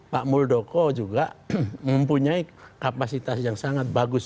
pak muldoko juga mempunyai kapasitas yang sangat bagus